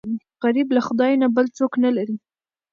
غریب له خدای نه بل څوک نه لري